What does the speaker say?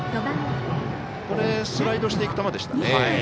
スライドしていく球でしたね。